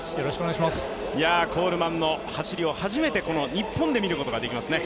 コールマンの走りを初めて日本で見ることができますね。